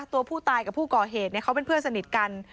ตัวผู้ตายกับผู้ก่อเหตุเขาเป็นเพื่อนสนิทกัน